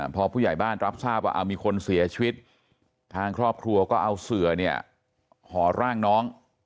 พอผู้ใหญ่บ้านรับทราบว่ามีคนเสียชีวิตทางครอบครัวก็เอาเสือเนี่ยห่อร่างน้อง